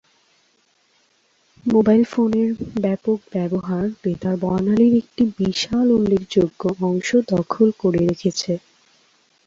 Mobile ফোনের ব্যাপক ব্যবহার বেতার বর্ণালীর একটি বিশাল উল্লেখযোগ্য অংশ দখল করে রেখেছে।